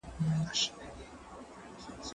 زه به سبا ليکلي پاڼي ترتيب کړم!!